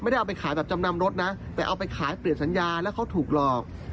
เอาไปขายแบบจำนำรถนะแต่เอาไปขายเปลี่ยนสัญญาแล้วเขาถูกหลอก